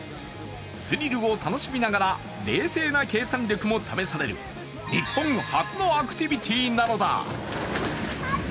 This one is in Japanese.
スリルを楽しみながら冷静な計算力も試される日本初のアクティビティなのだ。